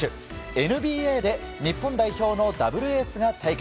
ＮＢＡで日本代表のダブルエースが対決。